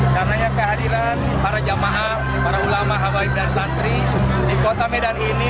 karena kehadiran para jamaah para ulama habaib dan santri di kota medan ini